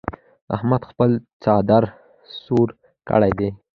احمد خپل څادر سور کړ دی.